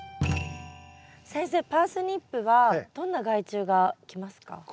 先生パースニップはどんな害虫が来ますか？